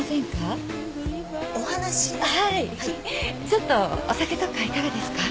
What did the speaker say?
ちょっとお酒とかいかがですか？